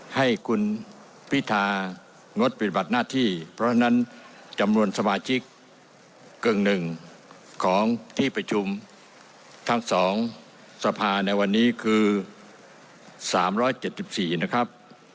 ให้คุณพิธางดปฏิบัติหน้าที่เพราะฉะนั้นจำนวนสมาชิกกึ่งหนึ่งของที่ประชุมทั้ง๒สภาในวันนี้คือ๓๗๔นะครับ